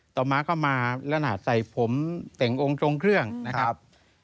ต่อมาเข้ามาแล้วใส่ผมเต่งองค์ทรงเครื่องนะครับ